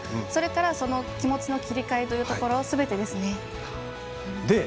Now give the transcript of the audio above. それから気持ちの切り替えというところすべてですね。